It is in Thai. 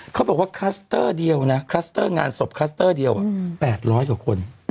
เขาบอกว่าคลัสเตอร์เดียวนะคลัสเตอร์งานศพคลัสเตอร์เดียว๘๐๐กว่าคน